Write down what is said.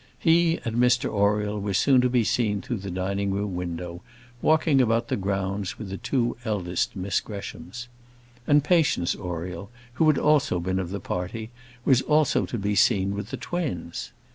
He and Mr Oriel were soon to be seen through the dining room window, walking about the grounds with the two eldest Miss Greshams. And Patience Oriel, who had also been of the party, was also to be seen with the twins.